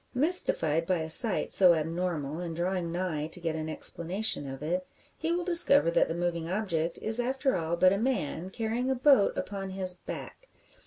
Mystified by a sight so abnormal, and drawing nigh to get an explanation of it, he will discover that the moving object is after all but a man, carrying a boat upon his back!